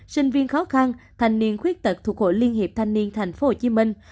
sinh viên khó khăn thanh niên khuyết tật thuộc hội liên hiệp thanh niên thành phố hồ chí minh